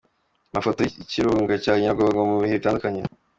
Amafoto y’ikirunga cya Nyiragongo mu bihe bitandukanye.